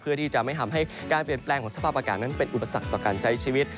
เพื่อที่จะไม่ทำให้การเปลี่ยนแปลงของสภาพอากาศนั้นเป็นอุปสรรคต่อการใช้ชีวิต